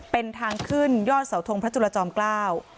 เป็นทางขึ้นยอดเสาทงพระจุลจอมเกล้า